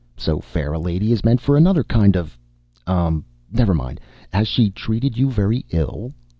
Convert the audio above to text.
So fair a lady is meant for another kind of, um, never mind! Has she treated you very ill?"